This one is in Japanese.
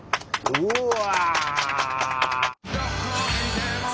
うわ！